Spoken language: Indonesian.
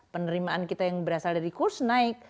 penerimaan kita yang berasal dari kurs naik